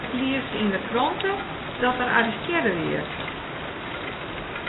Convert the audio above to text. Ik lies yn 'e krante dat er arrestearre wie.